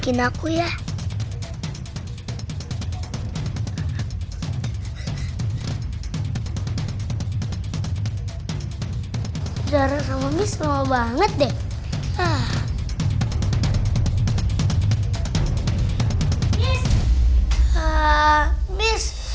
anak buah roti